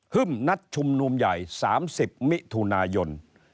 หึ้มนัดชุมหนุมใหญ่๓๐มิทุน